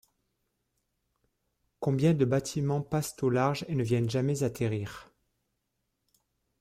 Combien de bâtiments passent au large et ne viennent jamais atterrir!